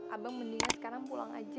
abang mendingan sekarang pulang aja